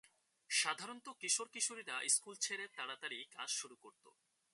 সাধারণত কিশোর-কিশোরীরা স্কুল ছেড়ে তাড়াতাড়ি কাজ শুরু করত।